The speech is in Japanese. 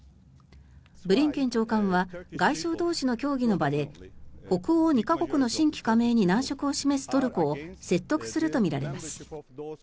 ブリンケン長官は外相同士の協議の場で北欧２か国の新規加盟に難色を示すトルコを説得するとみられます。